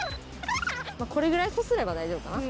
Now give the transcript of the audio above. これぐらいこすれば大丈夫かな。